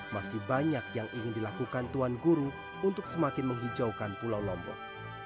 masih banyak yang ingin dilakukan tuan guru untuk semakin menghijaukan pulau lombok